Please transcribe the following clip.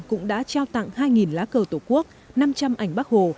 cũng đã trao tặng hai lá cờ tổ quốc năm trăm linh ảnh bắc hồ